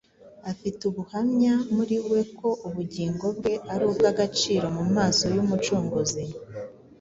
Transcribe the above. afite ubuhamya muri we ko ubugingo bwe ari ubw’agaciro mu maso y’Umucunguzi.